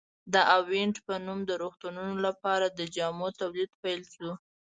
د اوینټ په نوم د روغتونونو لپاره د جامو تولید پیل شو.